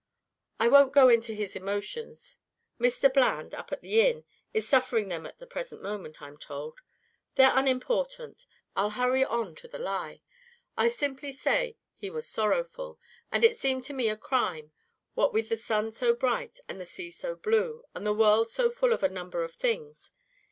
I won't go into his emotions. Mr. Bland, up at the inn, is suffering them at the present moment, I'm told. They're unimportant; I'll hurry on to the lie. I simply say he was sorrowful, and it seemed to me a crime, what with the sun so bright, and the sea so blue, and the world so full of a number of things.